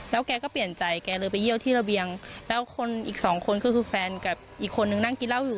แกก็เปลี่ยนใจแกเลยไปเยี่ยวที่ระเบียงแล้วคนอีกสองคนก็คือแฟนกับอีกคนนึงนั่งกินเหล้าอยู่